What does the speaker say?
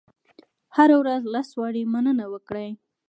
هره ورځ لس وارې مننه وکړئ.